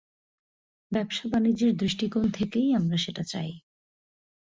ব্যবসা বাণিজ্যের দৃষ্টিকোণ থেকেই আমরা সেটা চাই।